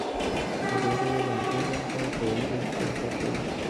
ازادي راډیو د بانکي نظام په اړه څېړنیزې لیکنې چاپ کړي.